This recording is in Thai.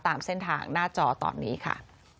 ตามเส้นทางหน้าจอตอนนี้ค่ะ